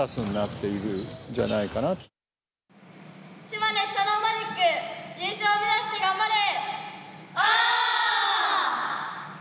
島根スサノオマジック優勝目指して頑張れ。